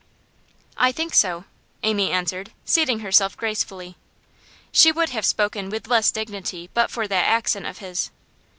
'I think so,' Amy answered, seating herself gracefully. She would have spoken with less dignity but for that accent of his.